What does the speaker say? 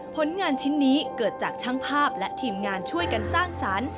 ผลงานชิ้นนี้เกิดจากช่างภาพและทีมงานช่วยกันสร้างสรรค์